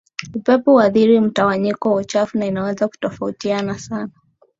upepo huathiri mtawanyiko wa uchafu na inaweza kutofautiana sana